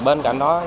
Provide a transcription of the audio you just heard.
bên cạnh đó